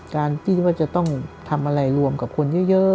การที่ว่าจะต้องทำอะไรรวมกับคนเยอะ